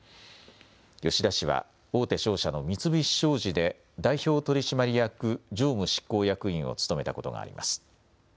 吉田氏は大手商社の三菱商事で、代表取締役常務執行役員を務めたことがあります。